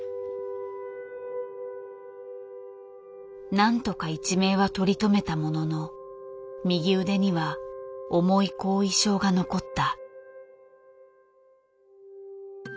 なんとか一命は取り留めたものの右腕には重い後遺症が残った。